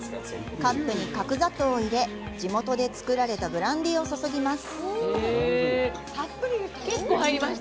カップに角砂糖を入れ、地元で作られたブランデーを注ぎます。